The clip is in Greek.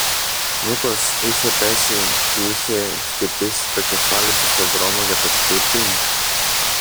Μήπως είχε πέσει κι είχε χτυπήσει το κεφάλι του στο δρόμο για το σπίτι